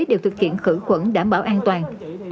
đều thực hiện khử khuẩn đảm bảo an toàn